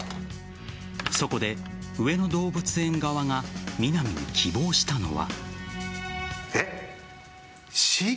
そこで上野動物園側が南に希望したのは。